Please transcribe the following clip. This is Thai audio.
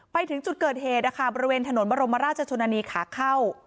ไปถึงจุดเกิดเหตุนะคะบริเวณถนนบรมราชชนนานีขาเข้า